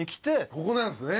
ここなんですね。